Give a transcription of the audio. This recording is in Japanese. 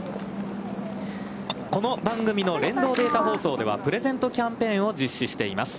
この番組の連動データ放送ではプレゼントキャンペーンを実施しています。